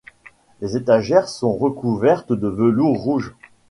Les étagères sont recouvertes de velours rouge.